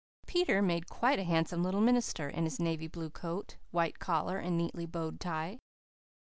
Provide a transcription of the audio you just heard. Peter made quite a handsome little minister, in his navy blue coat, white collar, and neatly bowed tie.